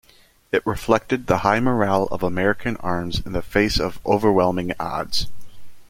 It reflected the high morale of American arms in the face of overwhelming odds.